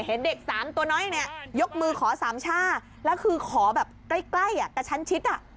เห็นเด็กสามตัวน้อยยกมือขอสามช่าแล้วคือขอแบบใกล้กะชั้นชิด